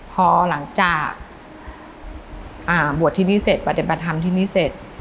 พอหลังจากอ่าบวชที่นี่เสร็จประเด็นประทำที่นี่เสร็จ